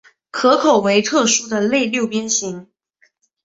壳口为特殊的类六边形。